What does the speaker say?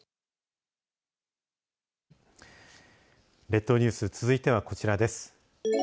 列島ニュース続いてはこちらです。